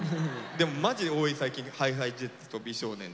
でもマジで多い最近ＨｉＨｉＪｅｔｓと美少年と。